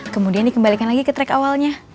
kemudian dikembalikan lagi ke track awalnya